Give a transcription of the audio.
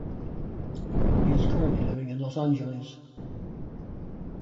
He is currently living in Los Angeles.